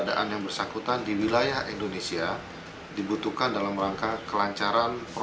bayangkan sudah tiga ratus lebih bupati sudah dua puluh gubernur sudah ratusan anggota dpr